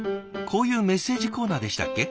こういうメッセージコーナーでしたっけ？